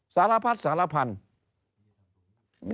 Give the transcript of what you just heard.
สารพัดสารพันธุ์